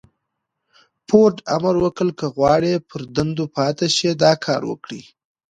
فورډ امر وکړ که غواړئ پر دندو پاتې شئ دا کار وکړئ.